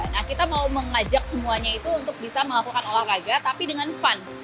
nah kita mau mengajak semuanya itu untuk bisa melakukan olahraga tapi dengan fun